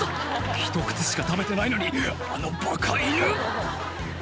「ひと口しか食べてないのにあのバカ犬！」